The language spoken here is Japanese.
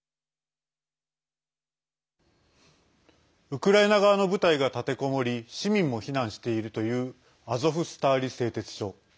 ウクライナ側の部隊が立てこもり市民も避難しているというアゾフスターリ製鉄所。